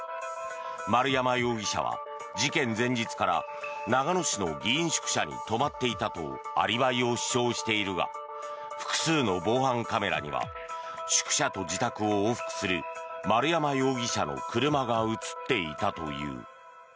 丸山容疑者は事件前日から長野市の議員宿舎に泊まっていたとアリバイを主張しているが複数の防犯カメラには宿舎と自宅を往復する丸山容疑者の車が映っていたという。